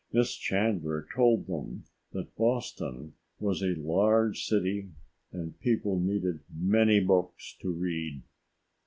Miss Chandler told them that Boston was a large city and the people needed many books to read.